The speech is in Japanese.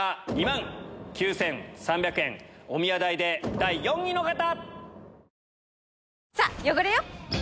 ２万９３００円おみや代で第４位の方！